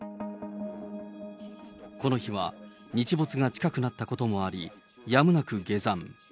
この日は日没が近くなったこともあり、やむなく下山。